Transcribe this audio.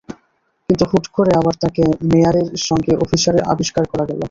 কিন্তু হুট করে আবার তাঁকে মেয়ারের সঙ্গে অভিসারে আবিষ্কার করা গেল।